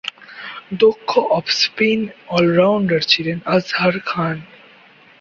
দক্ষ off spin all rounder ছিলেন আজহার খান।